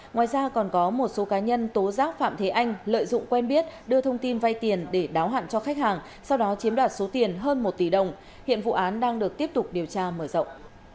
ngoài ra còn có một số cá nhân tố giác phạm thế anh lợi dụng quen biết đưa thông tin vay tiền để đáo hạn cho khách hàng sau đó chiếm đoạt số tiền hơn một tỷ đồng hiện vụ án đang được tiếp tục điều tra mở rộng